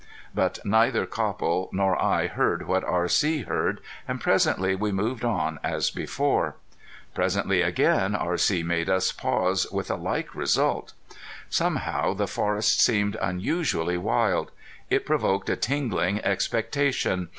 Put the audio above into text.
But neither Copple nor I heard what R.C. heard, and presently we moved on as before. Presently again R.C. made us pause, with a like result. Somehow the forest seemed unusually wild. It provoked a tingling expectation.